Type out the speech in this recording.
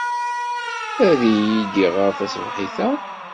Ad iyi-d-iɣer taṣebḥit-a?